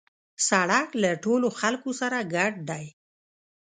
سړک له ټولو خلکو سره ګډ دی.